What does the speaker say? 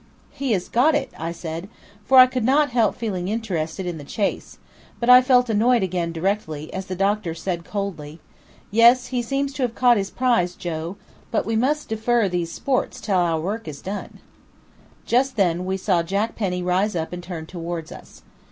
"He has got it," I said; for I could not help feeling interested in the chase; but I felt annoyed again directly, as the doctor said coldly: "Yes: he seems to have caught his prize, Joe; but we must defer these sports till our work is done." Just then we saw Jack Penny rise up and turn towards us.